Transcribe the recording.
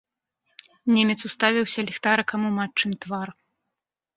Немец уставіўся ліхтарыкам у матчын твар.